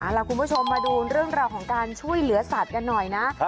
ล่ะคุณผู้ชมมาดูเรื่องราวของการช่วยเหลือสัตว์กันหน่อยนะ